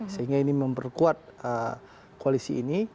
sehingga ini memperkuat koalisi ini